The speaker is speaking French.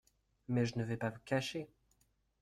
Mais je ne vais pas vous cacher !